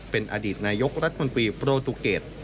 เป็นอดีตนายกรัฐมนตรีโปรตูเกต